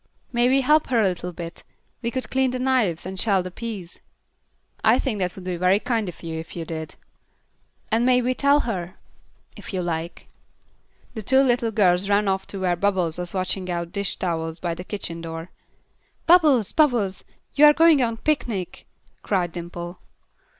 "May we help her a little bit? We could clean the knives, and shell the peas." "I think that would be very kind if you did." "And may we tell her?" "If you like." The two little girls ran off to where Bubbles was washing out dish towels by the kitchen door. "Bubbles! Bubbles! You are going on a picnic," cried Dimple.